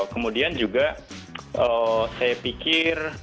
kemudian juga saya pikir